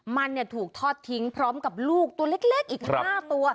มันถูกทอดทิ้งพร้อมกับลูกตัวเล็กอีก๕ตัว